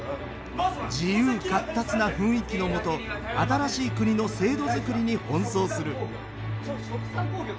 自由闊達な雰囲気のもと新しい国の制度づくりに奔走する。